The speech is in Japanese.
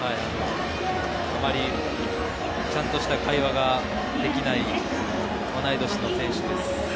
あまりちゃんとした会話ができない同い年の選手です。